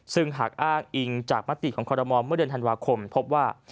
ซึ่งหากอ้างอิงจากมติของคอรมอลเมื่อเดือนธันวาคมพบว่า